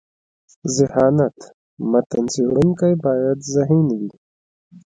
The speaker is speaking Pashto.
ذهانت: متن څړونکی باید ذهین يي.